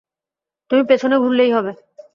তুমি পেছনে ঘুরলেই হবে।